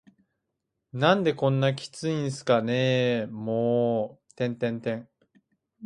「何でこんなキツいんすかねぇ～も～…」